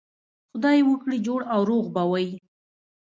خدای وکړي جوړ او روغ به وئ.